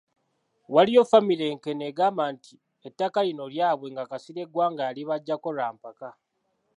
Waliyo famire e Nkene egamba nti ettaka lino lyabwe nga Kasirye Gwanga yalibajjako lwa mpaka.